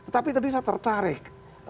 tapi tadi saya tertarik